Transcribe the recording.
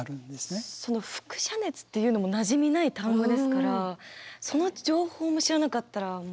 その輻射熱っていうのもなじみない単語ですからその情報も知らなかったらもう取り残されちゃう。